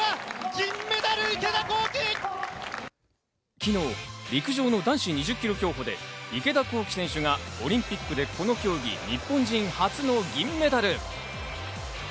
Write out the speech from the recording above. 昨日、陸上の男子２０ｋｍ競歩で池田向希選手がオリンピックでこの競技、日本人初の銀メダル。